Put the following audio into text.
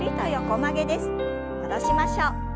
戻しましょう。